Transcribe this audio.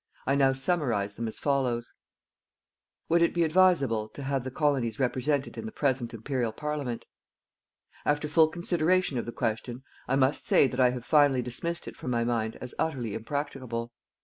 I now summarize them as follows: Would it be advisable to have the Colonies represented in the present Imperial Parliament? After full consideration of the question, I must say that I have finally dismissed it from my mind as utterly impracticable.